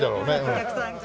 お客さんが。